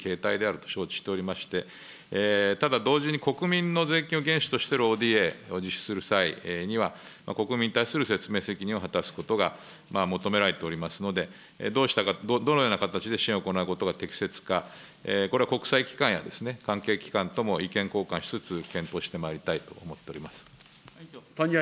また現金給付についてもご指摘がありましたけれども、この人道支援の手法として現金給付は、国際的にも採用されている形態であると承知しておりまして、ただ同時に、国民の税源を原資としているＯＤＡを実施する際には、国民に対する説明責任を果たすことが求められておりますので、どのような形で支援を行うことが適切か、これは国際機関や関係機関とも意見交換しつつ、検討してまいりたいと思っております。